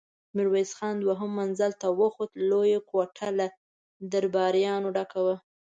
ميرويس خان دوهم منزل ته وخوت، لويه کوټه له درباريانو ډکه وه.